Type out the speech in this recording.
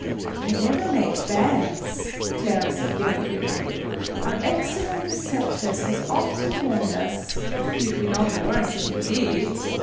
"I never make bets," Clara said very gravely. "Our excellent preceptress has often warned us " "You'd be none the worse if you did!"